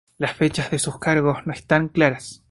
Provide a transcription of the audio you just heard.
Las fechas de sus cargos no están claras.